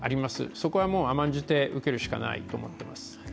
そこは甘んじて受けるしかないと思っています。